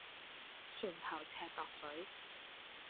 船頭尺度水